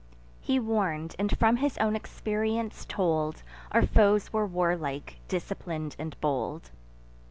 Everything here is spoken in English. He warn'd, and from his own experience told, Our foes were warlike, disciplin'd, and bold.